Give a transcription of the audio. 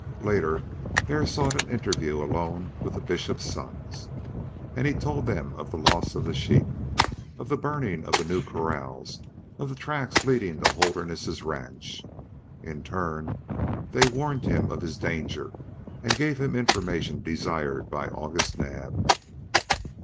Later Hare sought an interview alone with the Bishop's sons, and he told them of the loss of the sheep, of the burning of the new corrals, of the tracks leading to Holderness's ranch. In turn they warned him of his danger, and gave him information desired by August Naab.